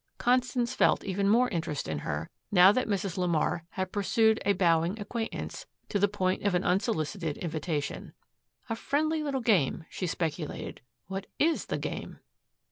Constance felt even more interest in her, now that Mrs. LeMar had pursued a bowing acquaintance to the point of an unsolicited invitation. "A friendly little game," she speculated. "What IS the game?"